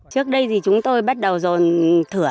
trước đây thì chúng tôi bắt đầu dồn thừa